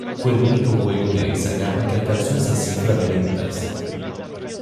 Fue el único juego de esa gama que alcanzó esa cifra de ventas.